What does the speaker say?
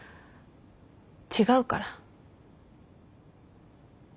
違うから。